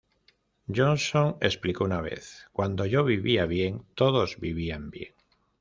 Johnson explicó una vez: "cuando yo vivía bien, todos vivían bien".